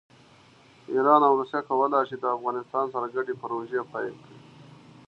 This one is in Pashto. ایران او روسیه کولی شي د افغانستان سره ګډې پروژې پیل کړي.